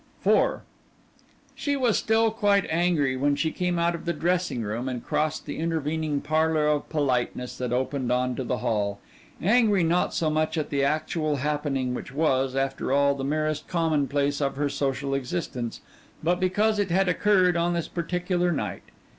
IV She was still quite angry when she came out of the dressing room and crossed the intervening parlor of politeness that opened onto the hall angry not so much at the actual happening which was, after all, the merest commonplace of her social existence, but because it had occurred on this particular night.